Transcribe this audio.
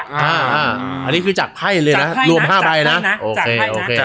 อันนี้คือจากไพ่เลยนะรวม๕ใบนะจากไพ่นะจากไพ่นะโอเคโอเค